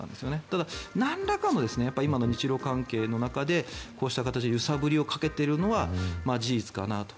ただ、なんらかの今の日ロ関係の中でこうした形で揺さぶりをかけているのは事実かなと。